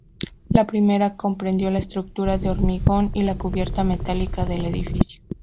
La primera comprendió la estructura de hormigón y la cubierta metálica del edificio.